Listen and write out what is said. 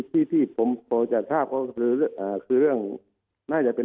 ที่ที่ผมพอจะทราบก็คือคือเรื่องน่าจะเป็น